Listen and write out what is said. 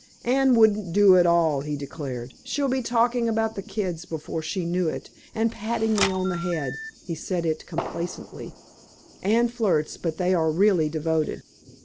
"Anne wouldn't do at all," he declared. "She'd be talking about the kids before she knew it, and patting me on the head." He said it complacently; Anne flirts, but they are really devoted.